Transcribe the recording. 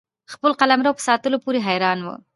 خپل قلمرو په ساتلو پوري حیران وو.